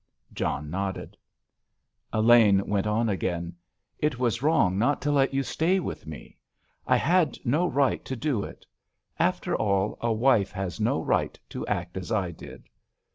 John nodded. Elaine went on again: "It was wrong not to let you stay with me. I had no right to do it; after all, a wife has no right to act as I did."